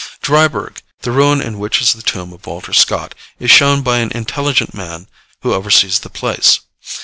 Dryburgh, the ruin in which is the tomb of Walter Scott, is shown by an intelligent man who oversees the place.